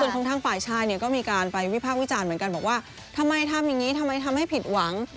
ส่วนของทางฝ่ายชายเนี่ยก็มีการไปวิพากษ์วิจารณ์เหมือนกันบอกว่าทำไมทำอย่างนี้ทำไมทำให้ผิดหวัง